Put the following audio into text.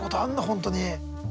本当に。